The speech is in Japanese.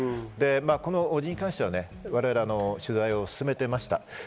この伯父に関しては我々、取材を進めていました。